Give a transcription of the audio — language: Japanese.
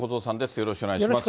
よろしくお願いします。